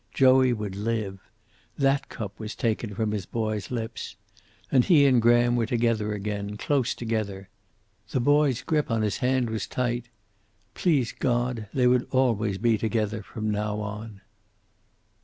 Joey would live. That cup was taken from his boy's lips. And he and Graham were together again, close together. The boy's grip on his hand was tight. Please God, they would always be together from now on.